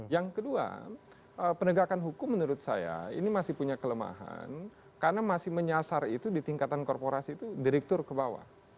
yang kedua penegakan hukum menurut saya ini masih punya kelemahan karena masih menyasar itu di tingkatan korporasi itu direktur ke bawah